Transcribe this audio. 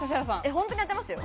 本当に当てますよ。